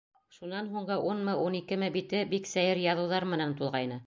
Шунан һуңғы унмы, ун икеме бите бик сәйер яҙыуҙар менән тулғайны.